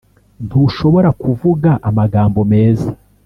ntushobora kuvuga amagambo meza,